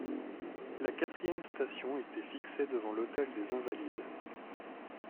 La quatrième station était fixée devant l'hôtel des Invalides.